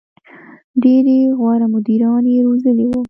• ډېری غوره مدیران یې روزلي وو.